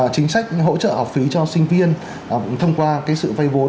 chính sách hỗ trợ học phí cho sinh viên thông qua sự vay vốn